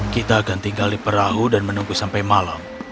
kita akan tinggal di perahu dan menunggu sampai malam